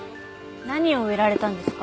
何を植えられたんですか？